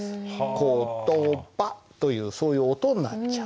コトバというそういう音になっちゃう。